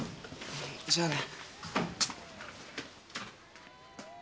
じゃあね。